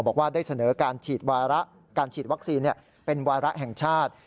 บอกว่าได้เสนอการฉีดวัคซีนเป็นวาระแห่งชาติ